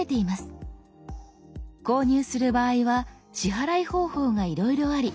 購入する場合は支払い方法がいろいろあり